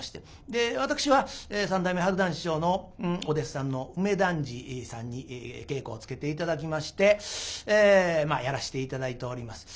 私は三代目春団治師匠のお弟子さんの梅団治さんに稽古をつけて頂きましてやらして頂いております。